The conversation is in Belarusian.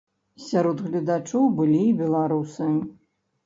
Сярод гледачоў былі і беларусы.